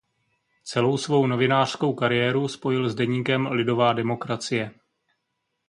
Celou svou novinářskou kariéru spojil s deníkem Lidová demokracie.